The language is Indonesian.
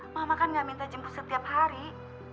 mama kan gak minta jemput setiap hari